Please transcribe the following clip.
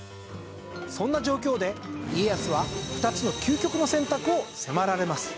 そんな状況で家康は２つの究極の選択を迫られます。